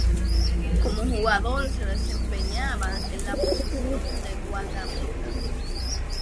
Como jugador se desempeñaba en la posición de guardameta.